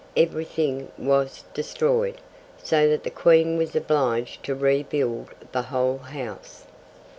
Everything was destroyed, so that the Queen was obliged to rebuild the whole house.